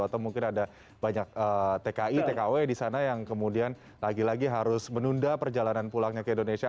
atau mungkin ada banyak tki tkw di sana yang kemudian lagi lagi harus menunda perjalanan pulangnya ke indonesia